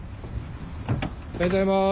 おはようございます。